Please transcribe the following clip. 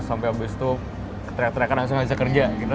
sampai abis itu ketrek trek langsung gak bisa kerja